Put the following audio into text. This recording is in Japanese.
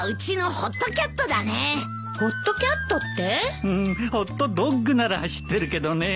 ホットドッグなら知ってるけどねえ。